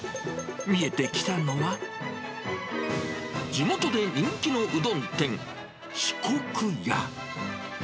見えてきたのは、地元で人気のうどん店、四国屋。